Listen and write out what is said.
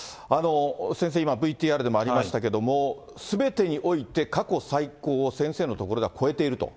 先生、今、ＶＴＲでもありましたけども、すべてにおいて過去最高を先生のところでは超えていると？